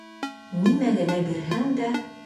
Нимә генә бирһәң дә: